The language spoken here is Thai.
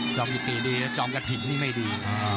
จอมผิดตีดีจอมกระถิ่งไม่ดี